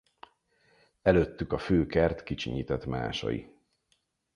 Előttük a fő kert kicsinyített másai.